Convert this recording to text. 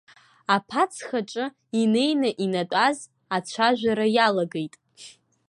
Аԥацхаҿы инеины инатәаз ацәажәара иалагеит.